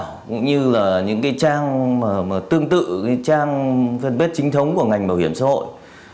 cũng như là những cái trang tương tự trang fanpage chính thống của ngành bảo hiểm xã hội